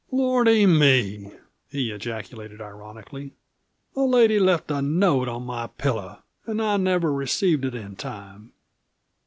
"Lordy me!" he ejaculated ironically. "The lady left a note on my pillow and I never received it in time!